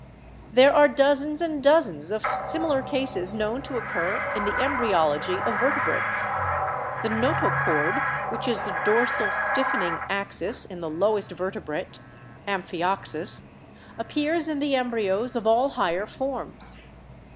There are dozens and dozens of similar cases known to occur in the embryology of vertebrates. The notochord, which is the dorsal stiffening axis in the lowest verte brate (amphioxus), appears in the embryos of all higher forms.